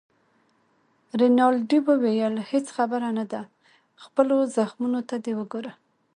رینالډي وویل: هیڅ خبره نه ده، خپلو زخمو ته دې وګوره.